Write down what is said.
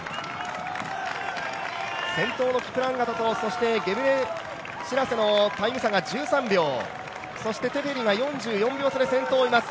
先頭のキプランガトとゲブレシラセのタイム差が１３秒、そしてテフェリが４４秒差で先頭を追います。